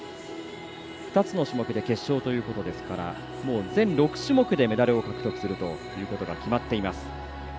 ２つの種目で決勝ということですから全６種目でメダルを獲得するということが決まっています。